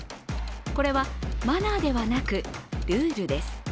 これはマナーではなく、ルールです